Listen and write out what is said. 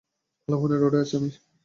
পাল্লাভান রোডে আছি আমি।